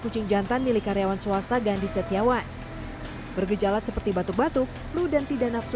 kucing jantan milik karyawan swasta gandhi setiawan bergejala seperti batuk batuk flu dan tidak nafsu